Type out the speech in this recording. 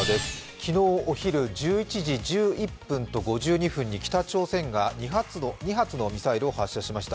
昨日お昼１１時１１分と５２分に北朝鮮が２発のミサイルを発射しました。